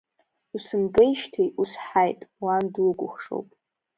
Усымбеижьҭеи узҳаит, уан дукәхшоуп…